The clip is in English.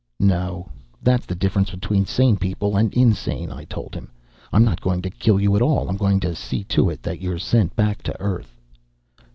"No. That's the difference between sane people and insane," I told him. "I'm not going to kill you at all. I'm going to see to it that you're sent back to Earth."